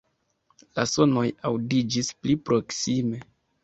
La sonoj aŭdiĝis pli proksime.